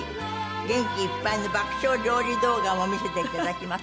元気いっぱいの爆笑料理動画も見せていただきます。